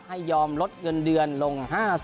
ให้ยอมลดเงินเดือนลง๕๐